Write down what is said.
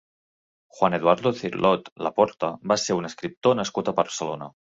Juan-Eduardo Cirlot Laporta va ser un escriptor nascut a Barcelona.